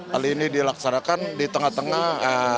hal ini dilaksanakan di tengah tengah